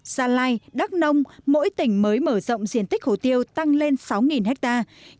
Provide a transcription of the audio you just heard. gia lai đắk nông mỗi tỉnh mới mở rộng diện tích hồ tiêu tăng lên sáu hectare